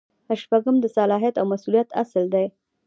شپږم د صلاحیت او مسؤلیت اصل دی.